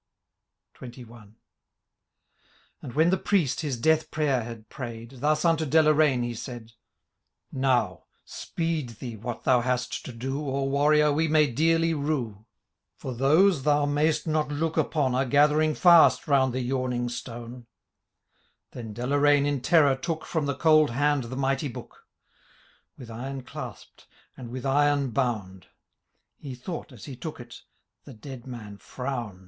XXI. And when the priest his death piayer had prayM, Thus unto Deloraine he said :—^ Now, speed thee what thou hast to do. Or, Warrior, we may dearly rue ; For those, thou may*st not look upon. Are gathering fast round the yawning stone 1^ Then Deloraine, in terror, took From the cold hand the Mighty Book, With iron clasp'd, and with iron bound : He thought, as he took it, the dead man frownM \> S«te Appendix, Note 2 B.